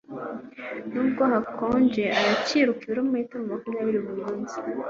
Nubwo hakonje aracyiruka ibirometero makumya biri buri munsi